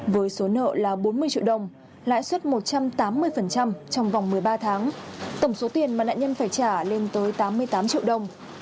với số nợ là bốn mươi triệu đồng lãi suất một trăm tám mươi trong vòng một mươi ba tháng tổng số tiền mà nạn nhân phải trả lên tới tám mươi tám triệu đồng